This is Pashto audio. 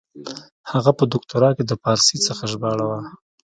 هغه په دوکتورا کښي د پاړسي څخه ژباړه وه.